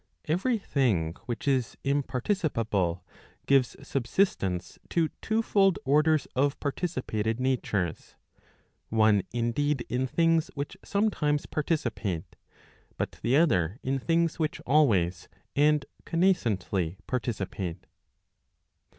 Every thing which is imparticipable gives subsistence to two fold orders of participated natures, one indeed in things which sometimes participate, but the other in things which always and connascently par¬ ticipate.